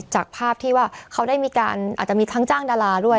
จากภาพที่ว่าเขาได้มีการอาจจะมีทั้งจ้างดาราด้วย